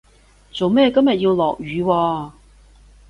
做咩今日要落雨喎